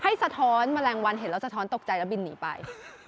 สะท้อนแมลงวันเห็นแล้วสะท้อนตกใจแล้วบินหนีไป